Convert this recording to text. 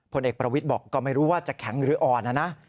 ผลเอกประวิทย์บอกก็ไม่รู้ว่าจะแข็งหรืออ่อนนะนะ